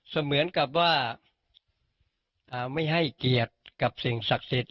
เหมือนกับว่าไม่ให้เกียรติกับสิ่งศักดิ์สิทธิ